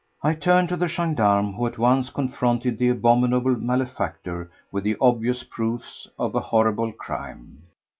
I turned to the gendarme, who at once confronted the abominable malefactor with the obvious proofs of a horrible crime.